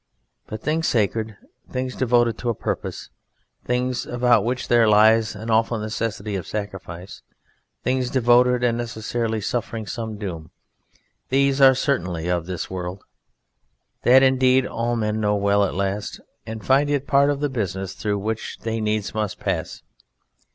But things sacred things devoted to a purpose, things about which there lies an awful necessity of sacrifice, things devoted and necessarily suffering some doom these are certainly of this world; that, indeed, all men know well at last, and find it part of the business through which they needs must pass.